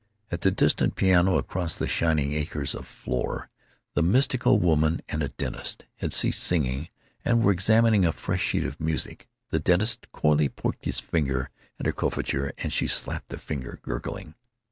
(At the distant piano, across the shining acres of floor, the mystical woman and a dentist had ceased singing, and were examining a fresh sheet of music. The dentist coyly poked his finger at her coiffure, and she slapped the finger, gurgling.)